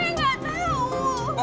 saya nggak tahu